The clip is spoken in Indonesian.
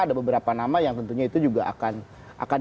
ada beberapa nama yang tentunya itu juga akan